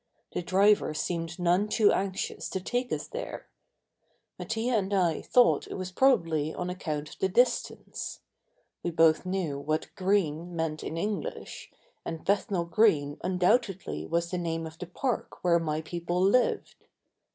The driver seemed none too anxious to take us there. Mattia and I thought it was probably on account of the distance. We both knew what "Green" meant in English, and Bethnal Green undoubtedly was the name of the park where my people lived.